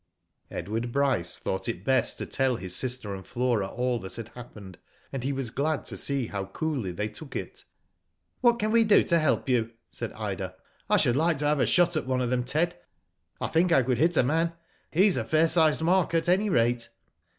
Edward Bryce thought it best to tell his sister and Flora all that had happened, and he was glad to see how coolly they took it. " What can we do to help you ?" said Ida. *' I should like to have a shot at one of them, Ted. I think I could hit a man. He's a fair sized mark at any ratie."